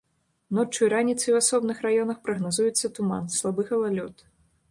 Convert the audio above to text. Ноччу і раніцай у асобных раёнах прагназуецца туман, слабы галалёд.